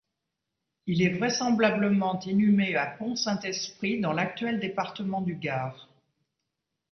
Il est vraisemblablement inhumé à Pont-Saint-Esprit, dans l'actuel département du Gard.